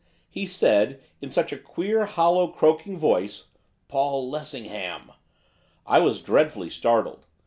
He said, in such a queer, hollow, croaking voice, "Paul Lessingham." I was dreadfully startled.